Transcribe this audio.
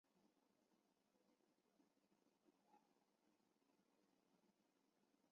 汤阴县是中国河南省安阳市下属的一个县。